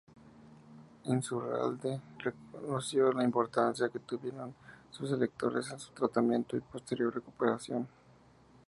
Insaurralde reconoció la importancia que tuvieron sus electores en su tratamiento y posterior recuperación.